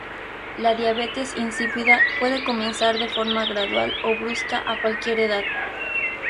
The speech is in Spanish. La diabetes insípida puede comenzar de forma gradual o brusca a cualquier edad.